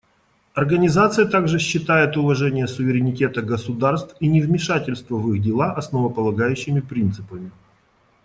Организация также считает уважение суверенитета государств и невмешательство в их дела основополагающими принципами.